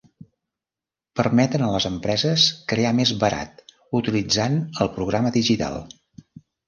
Permeten a les empreses crear més barat utilitzant el programa digital.